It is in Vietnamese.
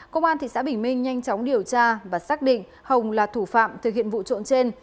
công an thị xã bình minh nhanh chóng điều tra và xác định hồng là thủ phạm thực hiện vụ trộm trên